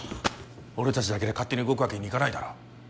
俺達だけで勝手に動くわけにいかないだろう